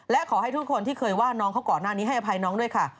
และขอให้ทุกคนที่เคยว่าน้องเขาก่อนหน้านี้ให้อภัยน้องด้วยค่ะ